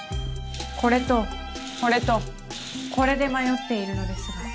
これとこれとこれで迷っているのですが。